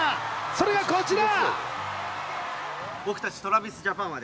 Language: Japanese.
それがこちら。